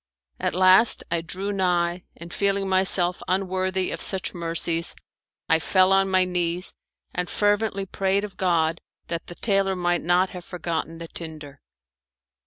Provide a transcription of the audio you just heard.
At last I drew nigh, and feeling myself unworthy of such mercies I fell on my knees and fervently prayed of God that the tailor might not have forgotten the tinder.